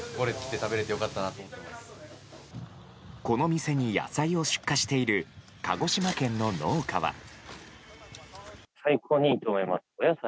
この店に野菜を出荷している鹿児島県の農家は。